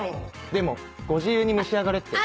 でも「ご自由に召し上がれ」って。